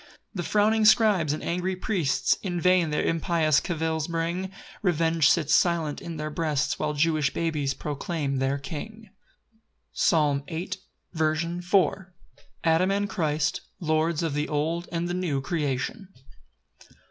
3 The frowning scribes and angry priests In vain their impious cavils bring; Revenge sits silent in their breasts, While Jewish babes proclaim their king. Psalm 8:4. 3 &c. paraphrased. Second Part. L. M. Adam and Christ, lords of the old and the new creation.